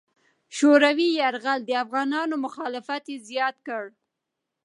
شوروي یرغل د افغانانو مخالفت زیات کړ.